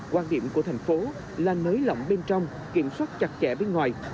quan điểm của thành phố là nới lỏng bên trong kiểm soát chặt chẽ bên ngoài